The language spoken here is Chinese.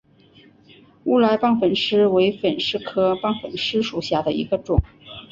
乌来棒粉虱为粉虱科棒粉虱属下的一个种。